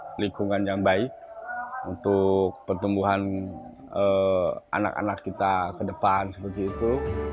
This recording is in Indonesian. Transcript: untuk lingkungan yang baik untuk pertumbuhan anak anak kita ke depan seperti itu